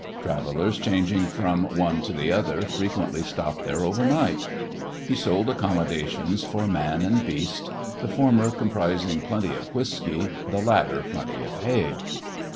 Travellers changing from one to the other frequently stopped there over night. He sold accommodations for man and beast, the former comprising plenty of whiskey, the latter plenty of hay.